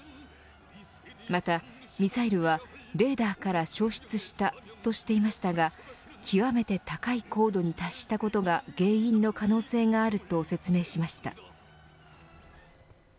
またミサイルはレーダーから消失したとしていましたが極めて高い高度に達したことが原因の可能性があると説明しました。